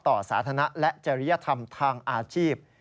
ต่อสาธารณะและจริยธรรมทางอาชีพ